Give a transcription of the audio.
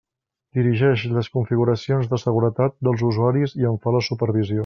Dirigeix les configuracions de seguretat dels usuaris i en fa la supervisió.